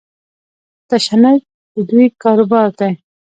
تشنج د دوی کاروبار دی.